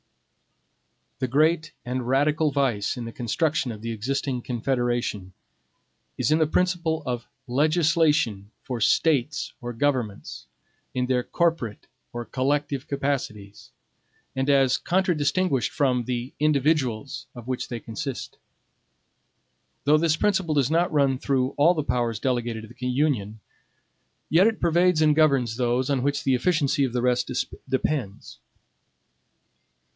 The great and radical vice in the construction of the existing Confederation is in the principle of LEGISLATION for STATES or GOVERNMENTS, in their CORPORATE or COLLECTIVE CAPACITIES, and as contradistinguished from the INDIVIDUALS of which they consist. Though this principle does not run through all the powers delegated to the Union, yet it pervades and governs those on which the efficacy of the rest depends.